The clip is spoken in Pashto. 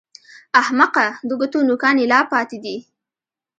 احمقه! د ګوتو نوکان يې لا پاتې دي!